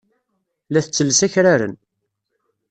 La tettelles akraren.